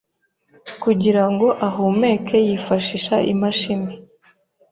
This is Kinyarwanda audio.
Kugira ngo ahumeke yifashisha imashini